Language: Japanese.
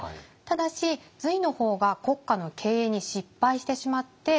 ただし隋の方が国家の経営に失敗してしまって。